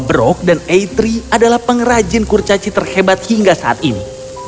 brok dan aitri adalah pengrajin kurcaci terhebat hingga saat ini